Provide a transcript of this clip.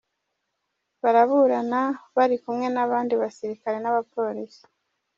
baraburana bari kumwe n'abandi basirikare n'abapolisi.